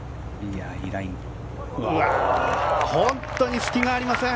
本当に隙がありません。